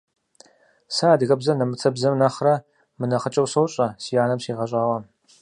Сэ адыгэбзэр нэмыцэбзэм нэхърэ мынэхъыкӀэу сощӀэ – си анэм сигъэщӀауэ.